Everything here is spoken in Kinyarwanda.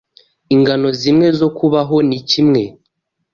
Ingano zimwe zo kubaho ni kimwe